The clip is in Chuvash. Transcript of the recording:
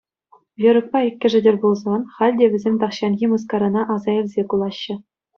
Верукпа иккӗшӗ тӗл пулсан, халь те вӗсем тахҫанхи мыскарана аса илсе кулаҫҫӗ.